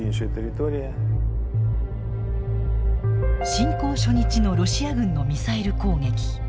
侵攻初日のロシア軍のミサイル攻撃。